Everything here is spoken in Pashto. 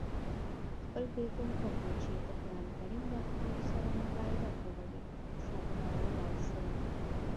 خپل بېل حکم، چي د قرآن کریم د احکامو سره مغایرت ولري، صادرولای سي.